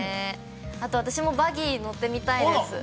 あと私も、バギー乗ってみたいです。